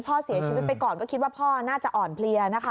พ่อเสียชีวิตไปก่อนก็คิดว่าพ่อน่าจะอ่อนเพลียนะคะ